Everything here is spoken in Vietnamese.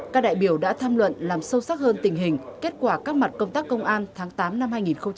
các đại biểu đã tham luận làm sâu sắc hơn tình hình kết quả các mặt công tác công an tháng tám năm hai nghìn hai mươi ba